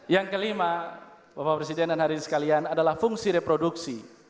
yang kelima bapak presiden dan hari ini sekalian adalah fungsi reproduksi